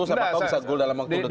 siapa tau bisa gul dalam waktu dekat